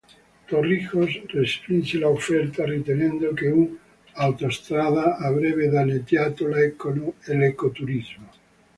Torrijos respinse l'offerta ritenendo che un'autostrada avrebbe danneggiato l'eco-turismo.